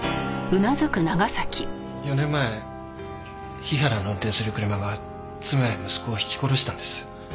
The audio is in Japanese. ４年前日原の運転する車が妻や息子をひき殺したんです。